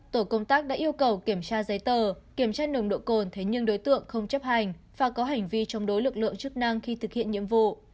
tổ công tác đã yêu cầu kiểm tra giấy tờ kiểm tra nồng độ cồn thế nhưng đối tượng không chấp hành và có hành vi chống đối lực lượng chức năng khi thực hiện nhiệm vụ